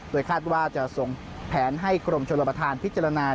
โดยคาดว่าจะส่งแผนให้กรมชนประธานพิจารณา